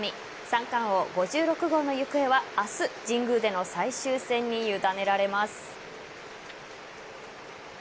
三冠王、５６号の行方は明日、神宮での最終戦に委ねられます。